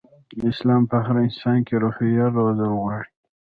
اسلام په هر انسان کې روحيه روزل غواړي.